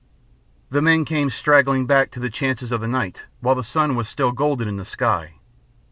The men came straggling back to the chances of the night while the sun was still golden in the sky.